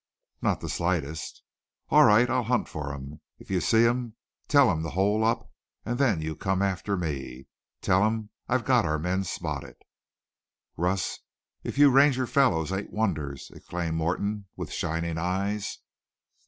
"Not the slightest." "All right. I'll hunt for him. If you see him tell him to hole up, and then you come after me. Tell him I've got our men spotted." "Russ, if you Ranger fellows ain't wonders!" exclaimed Morton, with shining eyes.